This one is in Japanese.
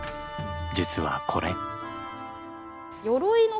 実はこれ。